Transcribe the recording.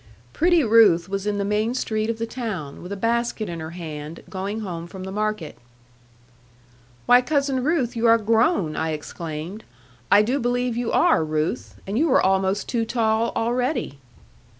Pretty Ruth was in the main street of the town, with a basket in her hand, going home from the market. 'Why, Cousin Ruth, you are grown, I exclaimed; 'I do believe you are, Ruth. And you were almost too tall, already.'